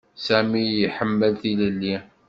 Sami iḥemmel tilelli.